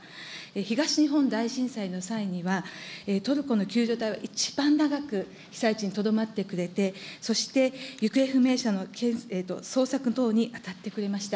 東日本大震災の際には、トルコの救助隊は一番長く被災地にとどまってくれて、そして、行方不明者の捜索等に当たってくれました。